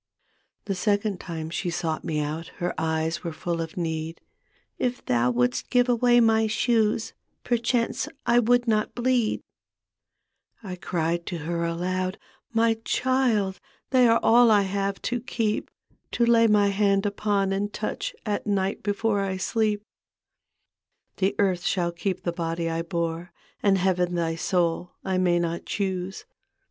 The second time she sought me out Her eyes were full of need. " If thou wouldst give away my shoes Perchance I would not bleed." I cried to her aloud, " My child. They are all I have to keep, To lay my hand upon and toudi At night before I sleep. " The earth shall keep the body I bore, And Heaven thy soul. I may not dioose.